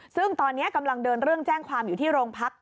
ซึ่งตอนนี้กำลังเดินเรื่องแจ้งความอยู่ที่โรงพัก